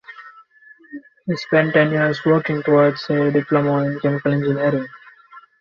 He spent ten years working towards a diploma in chemical engineering.